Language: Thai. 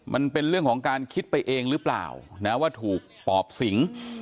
มันเป็นเรื่องของการคิดไปเองหรือเปล่านะว่าถูกปอบสิง